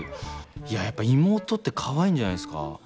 いややっぱ妹ってかわいいんじゃないですか。